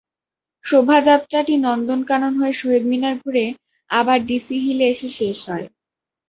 শোভাযাত্রাটি নন্দনকানন হয়ে শহীদ মিনার ঘুরে আবার ডিসি হিলে এসে শেষ হয়।